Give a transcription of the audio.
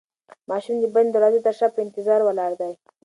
ماشوم د بندې دروازې تر شا په انتظار ولاړ دی.